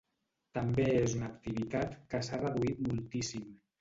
També és una activitat que s'ha reduït moltíssim.